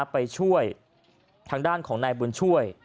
ไปช่วยทางด้านของนายบุญช่วย